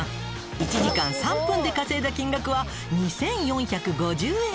１時間３分で稼いだ金額は２，４５０円。